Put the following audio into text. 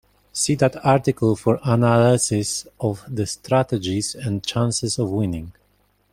See that article for analysis of the strategies and chances of winning.